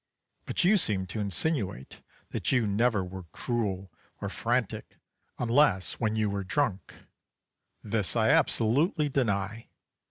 But you seem to insinuate that you never were cruel or frantic unless when you were drunk. This I absolutely deny.